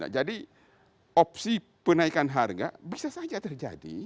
jadi opsi penaikan harga bisa saja terjadi